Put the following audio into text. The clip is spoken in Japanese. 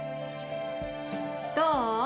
どう？